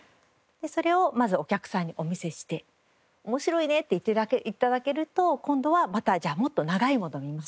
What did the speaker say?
それをまずお客さんにお見せして「面白いね」って言って頂けると今度はまた「じゃあもっと長いものを見ますか？」